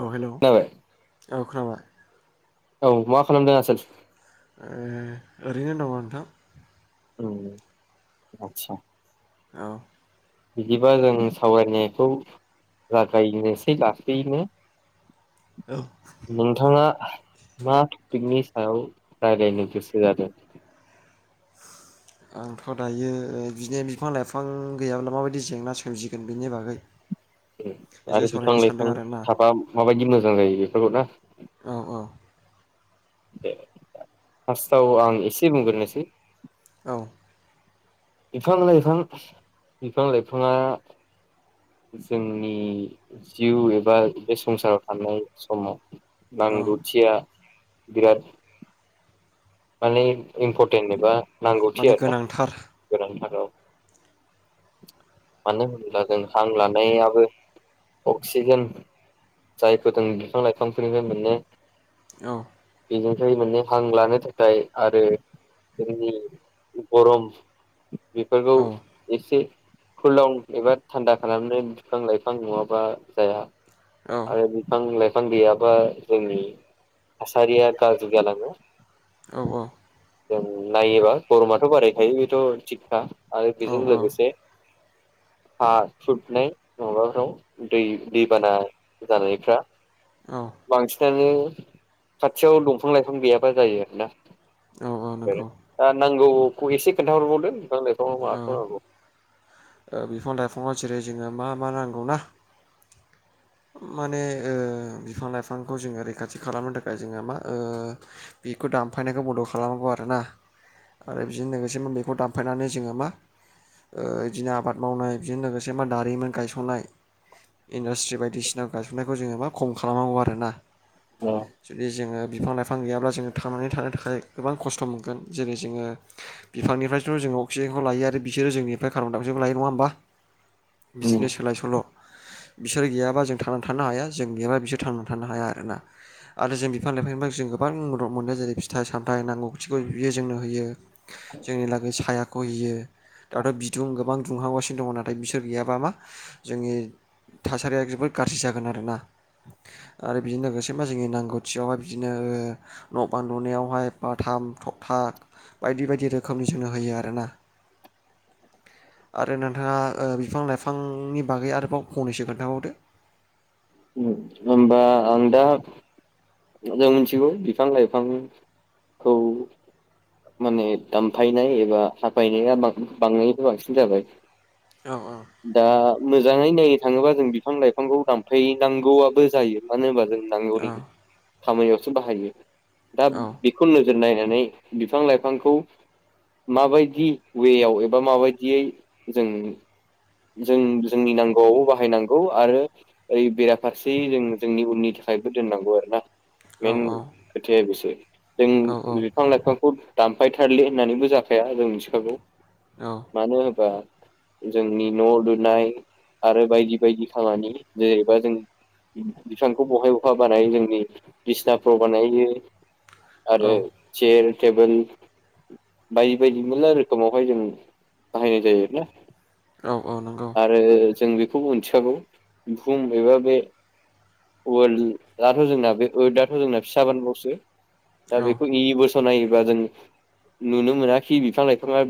औ हेलौ खोनाबाय औ खोनाबाय औ मा खालामदों आसोल ओरैनो दंङो नोंथां आतसा औ बिदिबा जों सावरायनायखौ जागायनोसै लासैनो औ नोंथांङा मा टपिकनि सायाव रायलायनो गोसो जादों आंथ' दायो बिदिनो बिफां लाइफां गैयाब्ला माबायदि जेंना सोमजिगोन बेनि बागै एसे आरो बिफां सावरायनो सानदों लाइफां आरोना थाफा माबायदि मोजां जायो बेफोरखौ ना औ औ दे फार्स्टआव आं एसे बुंग्रोनोसै औ बिफां लाइफां बिफां लाइफाङा जोंनि जिउ एबा बे संसाराव थानाय समाव औ नांगौथिया बिराद माने इम्परटेन्ट एबा नांगौथि माने आरोना गोनांथार गोथार औ [inaudible] मानो होनोब्ला जों हां लानायाबो अक्सिजेन जायखौ जों बिफां लाइफांफोरनिफ्राय मोनो। औ बेजोंफ्राय मोने हां लानो थाखाय आरो जोंनि गरम बेफोरखौ औ एसे फुलाव एबा थान्दा खालामनो बिफां लाइफां नङाबा जाया। औ आरो बिफां लाइ फां गैयाबा जोंनि थासारिया गाज्रि जालाङो। औ औ जों नायोबा गरमाथ' बारायखायो बेथ' थिग था आरो बेजों औ औ लोगोसे हा खुरनाय माबाफोराव दै दैबाना जानायफ्रा औ बांसिनानो खाथियाव दंफां लाइफां गैयाबा जायो आरोना औ नंगौ नांगौखौ एसे खोन्थाहरबावदो बिफां लाइफाङाव माखौ नांगौ औ बिफां लाइफाङाव जेरै जोङो मा मा नांगौ ना माने ओ बिफां लाइफांखौ जोङो रैखाथि खालामनो थाखाय जोङो मा ओ बेखौ दानफायनायखौ बन्द' खालामांगौ आरो ना आरो बिजों लोगोसे बेखौ दानफायनानै जोङो मा बिदिनो आबाद मावनाय बिजों लोगोसे मा दारिमोन गायसननाय इन्डास्ट्रि बायदिसिनााव गायसननायखौ जोङो मा खम खालामनांगौ आरोना अ जुदि जोङो बिफां लाइफां गैयाब्ला जोङो थांनानै थानो थाखाय गोबां खस्थ' मोनगोन जेरै जोङो बिफांनिफ्रायथ' जों अक्सिजेनखौ लायो आरो बिसोरो जोंनिफ्राय खान दामसेबो लायो नङा होमबा उम बिदिनो सोलाय सोल' बिसोर गैयाबा जों थांनानै थानो हाया जों गयाबा बिसोर थांनानै थानो हाया आरोना आरो जों बिफां लाइफांनिफ्राय जों गोबां मदद मो नो जेरै फिथाइ सामथायाइ नांगौखौ बियो जोंनो होयो जोंनि लागै सायाखौ होयो। दाथ' बिदुं गोबां दुंहावांगासिनो दङ नाथाय बिसोर गैयाबा मा जोंनि थासारिया जोबोद गाज्रि जागोन आरो ना आरो बिदिनो लोगोसेबा जोंनि नांगौथियावहाय बिदिनो न' बान्लुनायावहाय बा थाब था बायदि बायदि रोखोमनि जोंनो होयो आरोना आरो नोंथाङा बिफां लाइफांनि बागै आरोबाव फंनैसो खोन्थाबावदो होमबा आं दा जों मिथिगौ बिफां लाइफांखौ माने दानफायनाय एबा हाफायनाया बां बांनिफ्राय बांसिन जाबाय औ दा मोजाङै नायो थाङोबा जों बिफां लाइफांखौ दानफैनांगौआबो जायो मानो होनबा जों औ नांगौनि खामानियावसो बाहायो दा औ बेखौ नोजोर नायनानै बिफां लाइफांखौ माबायदि वेयाव एबा माबायदियै जों जों जोंनि नांगौआव बाहायनांगौ आरो ओइ बेराफारसे जों जोंनि उननि था खायबो दोननांगौ आरोोना औ मेन खोथाया बेसो जों औ बिफां लाइफांखौ दामफायथारलि होननानैबो जाखाया जों मिथिखागौ औ मानो होनोबा जोंनि न' लुनाय आरो बायदि बायदि खामानि जेनबा जों बिफांखौ बहाय बहा बानायो जोंनि बिसनाफ्राव बानायो औ आरो चेयार टेबोल बायदि बायदि मेरला रोखोमावहाय जों बाहायनाय जायो आरोना औ औ नंगौ आरो जों बेखौबो मिथिखागौ बुहुम एबा बे वर्लआथ' जोंना बे [unintelligible] दथ' जोंना फिसा बानबावसो दा औ बेखौ इ बोसोर खोनायोबा जों नुनो मोनाखि बिफां लाइफाङा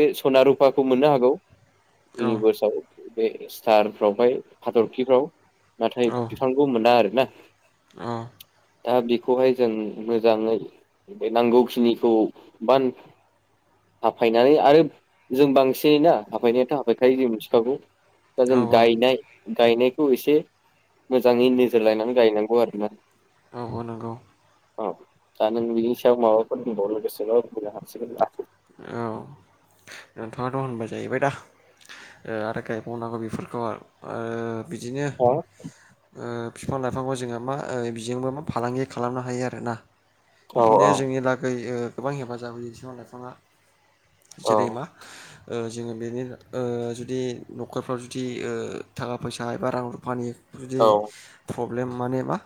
बे सना रुफाखौ मोननो हागौ औ इउनिभार्सआव बे स्टारफ्रावहाय हाथरखिफ्राव नाथाय बिथांखौ मोना आरो ना ओ दा बेखौहाय जों मोजाङै बे नांगौखिनिखौ बा हाफायनानै आरो जों बांसिन ना हाफनायाथ' हाायखायो जों मिथिखागौ दा औ जों गायनाय गायनायखौ एसे मोजाङै नोजोर लायनानै गायनांगौ आरोना औ नंगौ नंगौ औ दा नों बिनि सायाव माबाफोर दंबावो लोगोसेल' बुंनो हासिगोन औ नोंथाङाथ' होनबाय जाहैबाय दा आरो गायबावनांगौ बेफोरखौ आरो बिदिनो औ बिफां लाइफांखौ जोङो मा बिजोंबो मा फालांगि खालामनो हायो आर ना औ बिदिनो जोंनि लागै गोबां हेफाजाब होयो बिफां लाइफाङा औ जेरैमा जोङो बेनि जुदि न'खरफ्राव जुदि थाखा फैसा एबा रां रुफानि जुदि औ प्रब्लेम माने बा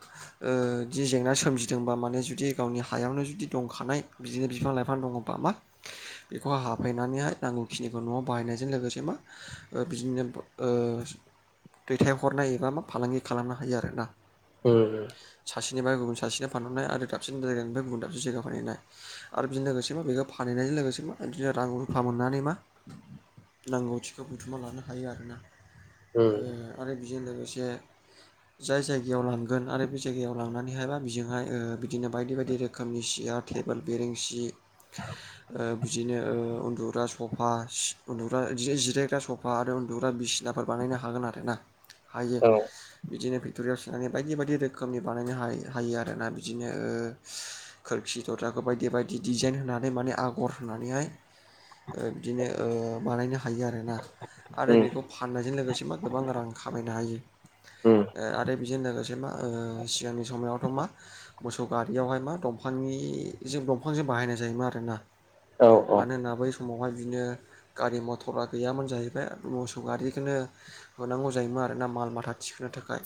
जेंना सोमजिदोंबा माने जुदि गावनि हायावनो जुदि दंखानाय बिदिनो बिफां लाइफां दङबा मा बेखौ हाब फायनानैहाय नांगौ खिनिखौ न'आव बाहायनायजों लोगोसे मा बिदिनो दैथायहरनाय एबा मा फालांगि खालामनो हायो आरो ना ओम बेनिफ्राय गुबुन सासेनो फानहरनाय आरो दाबसे जायगानिफ्राय गुबुन दाबसे जायगायाव फानहैनाय आरो बिजों लोगोसे बेखौ फानहैनाय बे लोगोसे मा बिदिनो रां रुफा मोननानै मा नांगौथिखौ बुथुमना लानो हायो आरो ना ओम बे लोगोसे जाय जायगायाव लांगोन आरो बे जायगायाव लांनानै मानिहायबा बेजोंहाय बिदिनो बायदि बायदि रोखोमनि सियार टेबोल बेरेनसि ओ बिदिनो उन्दुग्रा सफा उन्दग्रा बिदिनो जिरायग्रा सफा आरो उन्दुग्रा बिसिना बिसिनाफोर बानायनो हागोन आरो ना हायो औ बिदिनो थुरियाव सुनानै बायदि बायदि रोखोमनि बानायनो हायो आरो ना बिदिनो खोरखि दरजा बायदि बायदि डिजाइन होनानै माने आगर होनानैहाय बिदिनो बानायनो ह हायो आरोना आरो उम बेखौ फाननायजों लोगोसे मा गोबां रां खामायनो हायो उम आरो बिजों लोगोसे मा सिगांनि समायावथ' मा मोसौ गारियावहाय मा दंफांनिजों दंफांजों बाहायनाय जायोमोन आरोना औ मानो होना बै समावहाय बिदिनो गारि मथरा गैयामोन जाहैबाय मोसौ गारिजोंनो होनांगौ जायोमोन आरो ना माल माथा थिखोनो थाखाय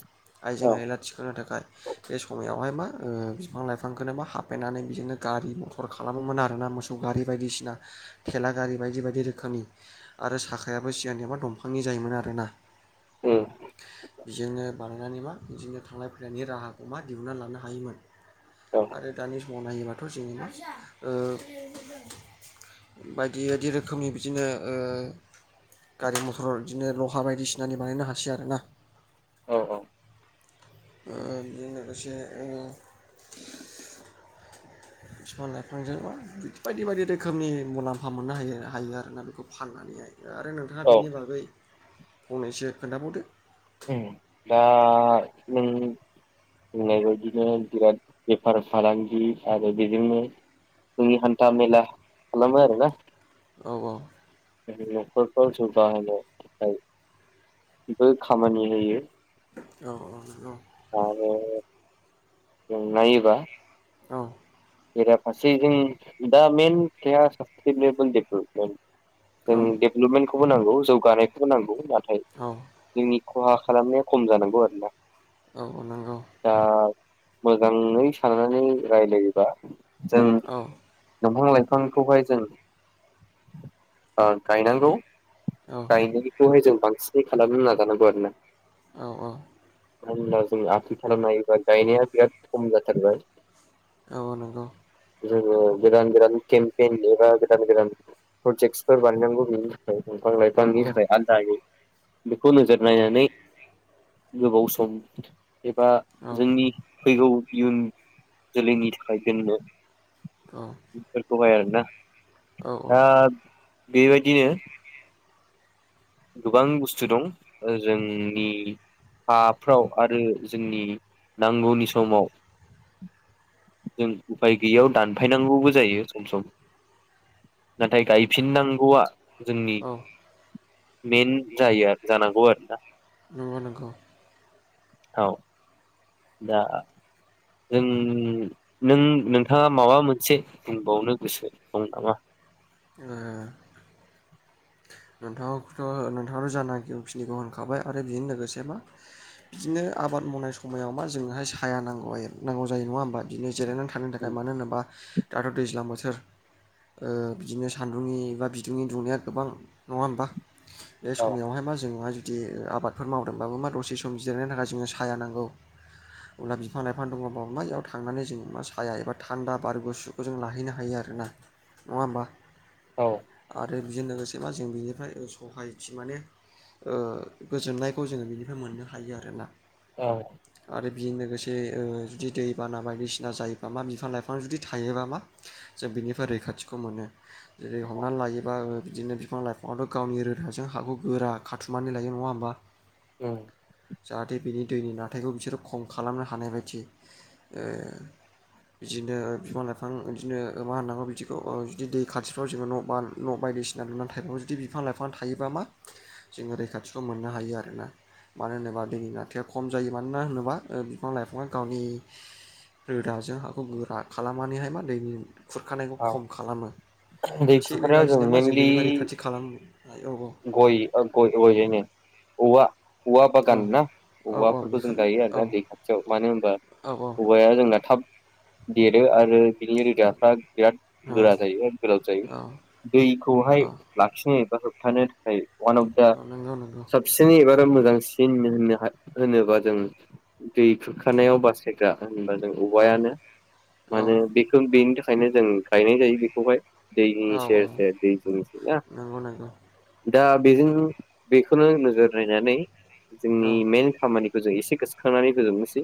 आइजें औ आयला थिखोनो थाखाय बे समायावहाय मा ओ बिफां लाइफांखौनो बा हाफायनानै बिजोंनो गारि मथर खालामोमोन आरो ना मोसौ गारि बायदिसिना थेला गारि बायदि बायदि रोखोमनि आरो साखायाबो सिगांनिया दंफांनि जा योमोन आरोना। उम बेजोंनो बानायनानै मा बिदिनो थांलाय फैलायनि राहाखौ मा दिहुनना लानो हायोमोन। औ आरो दानि समाव नायोबाथ' जोङो ओ बायदि बायदि रोखोमनि बिदिनो ओ गारि मथर बिदिनो लहा बायदिसिनानि बानायनो हासै आरोना औ औ ओ बिजों लोगोसे ओ फिफां लाइफांजों [unintelligible] बायदि बायदि रोखोमनि मुलाम्फा मोननो हायो हायो आरोना बेखौ फाननानैहाय। आरो नोंथाङा औ औ बिनि बागै फंनैसो खोनथाबावदो। औ दा नों होननाय बायदिनो बिराद बेफार फालांगि आरो बेजोंनो [unintelligible] हान्टा मेला खालामो आरो ना औ औ जोंनि न'खरखौ जौगाहोनो थाखायबो खामानि होयो। औ औ औ [unintelligible] नायोबा औ बेरा फारसेजों दा मेइन खोथाया सास्टेनबोल डेभेलपमेन्ट। जों डेभेलपमेन्टखौबो नांगौ जौगानायखौबो नांगौ नाथाय औ जोंनि खहा खालामनाया खम जानांगौ आरोना। औ नंगौ दा मोजाङै साननानै रायलायोबा जों औ दंफां लाइफांखौहाय जों ओ गायनांगौ। औ नंगौ औ गायनायखौहाय जों बांसिनै खालामनो नाजानांगौ आरोना। औ औ मानो होनब्ला जों आथिखालाव नायोब्ला गायनाया बिराद खम जाथारबाय। औ नोंगौ। जोङो गोदान गोदान केमपेइन एबा गोदान गोदान प्रजेक्टसफोर बानायनांगौ बि दंफां औ लाइफांनि औ थाखाय आलदायै। बेखौ नोजोर नायनानै गोबाव सम एबा जोंनि फैगौ इयुन जोलैनि था खाय दोननो बेफोरखौहाय आरोना। औ दा बेबायदिनो गोबां बुस्थु दं ओ जोंनि हाफ्राव आरो जोंनि नांगौनि समाव जों उफाय गैयियाव दानफायनांगौबो जायो सम सम नाथाय गायफिननांगौवा जोंनि औ मेइन जायो आरो जानांगौ आरोना। नंगौ नंगौ। औ। दा जों नों-नोंथाङा माबा मोनसे बुंबावनो गोसो दं नामा? ओ नोंथाङाखौथ' नोंथाङानो जानागिखिनिखौ होनखाबाय आरो बेनो लोगोसेबा बिदिनो आबाद मावनाय समायाव मा जोंनोहाय साया नांगौ नांगौ जायो नङा होमबा बिदिनो जिरायनानै थानो थाखाय मानो होनोब्ला दाथ' दैज्लां बोथोर ओ बिदिनो सान्दुंनि बा बिदुंनि दुंनाया गोबां नङा होमबा बे औ समयावहायबा मा जों हाय बिदि आबादफोर मावदोंबाबो मा दसे सम जिरायनो थाखाय जोङो साया नांगौ अब्ला बिफां लाइफां दङ'बा मा इयाव थांनानै जों मा साया एबा थान्दा बार गुसुखौ जों लाहैनो हायो आरो ना नङा होमबा? औ आरो बिजों लोगोसे मा जों बिनिफ्राय सहायथि माने ओ गोजोननायखौ जोङो बिनिफ्राय मोननो हायो आरोना। औ आरो बेजों लोगोसे ओ जुदि दैबाना बायदिसिना जायोबा मा बिफां लाइफां जुदि थायोबा मा जों बिनिफ्राय रैखाथिखौ मोनो जेरै हमनानै लायोबा बिदिनो बिफां लाइफाङाथ' गावनि रोदाजों हाखौ गोरा खाथुमनानै लायो नङा होमबा औ जाहाथे बिनि दैनि नारथायखौ बिसोरो खम खालामनो हानाय बायदि बिदिनो बिफां लाइफां बिदिनो मा होननांगौ बिदिखौ बिदि दै खाथिफ्राव जोङो' न' बाय बायदिसिना लुना थाइफां जुदि बिफां लाइफां थायोबा मा जोङो रैखाथिखौ मोननो हायो आरोना मानो होनोबा दैनि नारथाया खम जायो मानोना होनोबा बिफां लाइफाङा गावनि रोदाजों हाखौ गोरा खालामनानैहाय मा दैनि खुरखानायखौ औ खम खालामो दै थिग खुरखानायाव बेबायदिनो मा जों मेनलि बेनिबा रैखाथि खालाम गय अ गयलायनो औवा औवा औ बागान ना औ औ औवाफोरखौ जों बेखौनो गायो औ आरोना दै खाथियाव मानो होनबा औ औवाया जोंना थाब देरो आरो बिनि रोदाफ्रा बिराद गोरा जायो गोलाव जायो औ दैखौहाय औ लाखिनो बा होबथानो था खाय वान अफ दा नंगौ नंगौ साबसिन एबा मोजांसिन होन होनोबा जों दै खुरखानायाव बासायग्रा होनबा जों औ औवायानो औ मानोे बेखौ बेनि थाखायनो जों गायनाय जायो बेखौहाय दैनि औ औ सेर‌ सेर दैनि जिं जिं ना नंगौ नंगौ औ नंगौ दा बेजों बेखौनो नोजोर नायनानै औ जोंनि मेन खामानिखौ एसे गोसोखांनानै फोजोबनोसै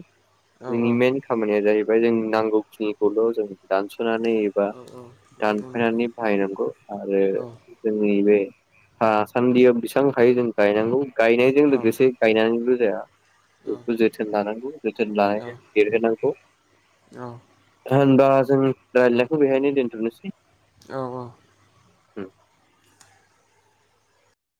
औ जोंनि मेन खामानिया जाहै- बाय जों नांगौखिनिखौल' जों दानस' नानै एबा औ दानफायनानै बाहायनांगौ आरो जोंनि बे थासान्दियाव बेसेबां हायो जों गायनांगौ गायनायजों लोगोसे गायनानैल' जाया बेखौ जोथोन लानांगौ जोथोन लानायजों देरहोनांगौ होनबा जों रायज्लायनायखौ बेहायनो दोनथ'नोसै औ औ औ